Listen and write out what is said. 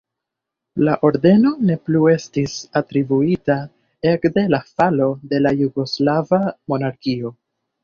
La ordeno ne plu estis atribuita ekde la falo de la jugoslava monarkio.